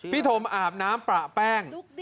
พี่ธมอาบน้ำปลาแป้ง